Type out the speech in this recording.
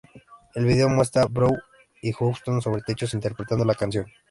El video muestra a Brown y Houston sobre techos interpretando la canción.